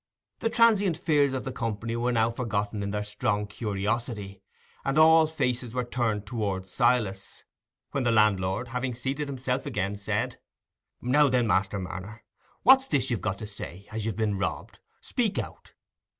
The transient fears of the company were now forgotten in their strong curiosity, and all faces were turned towards Silas, when the landlord, having seated himself again, said— "Now then, Master Marner, what's this you've got to say—as you've been robbed? Speak out."